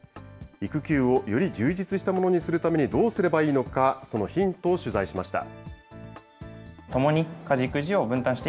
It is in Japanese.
育休をより充実したものにするためにどうすればいいのか、そのヒントを取材しました。